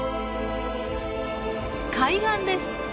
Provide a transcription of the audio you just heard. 海岸です。